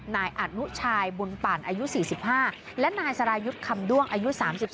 นายอนุชายบุญปั่นอายุ๔๕และนายสรายุทธ์คำด้วงอายุ๓๒